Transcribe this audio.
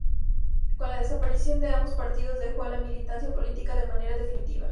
Con la desaparición de ambos partidos, dejó la militancia política de manera definitiva.